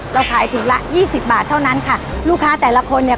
เราขายถุงละยี่สิบบาทเท่านั้นค่ะลูกค้าแต่ละคนเนี่ย